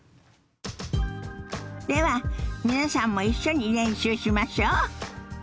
では皆さんも一緒に練習しましょ。